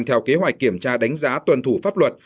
theo kế hoạch kiểm tra đánh giá tuần thủ pháp luật